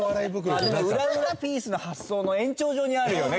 裏裏ピースの発想の延長上にあるよね。